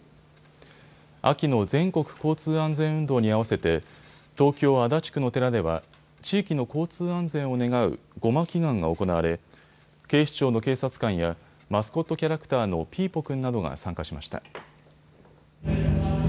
秋の全国交通安全運動に合わせて東京足立区の寺では地域の交通安全を願う護摩祈願が行われ、警視庁の警察官やマスコットキャラクターのピーポくんなどが参加しました。